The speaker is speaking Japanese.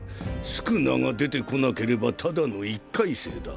宿儺が出てこなければただの一回生だ。